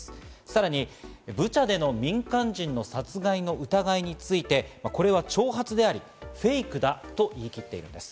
さらにブチャでの民間人の殺害の疑いについて、これは挑発であり、フェイクだと言い切っています。